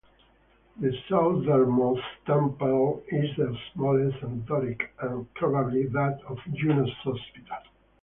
The southernmost temple is the smallest and Doric, and probably that of Juno Sospita.